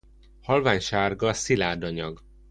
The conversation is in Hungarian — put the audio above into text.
Halványsárga szilárd anyag.